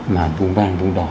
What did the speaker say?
mà vùng vàng vùng đỏ